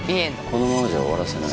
このままじゃ終わらせない。